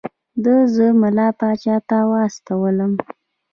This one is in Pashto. ده زه ملا پاچا ته واستولم.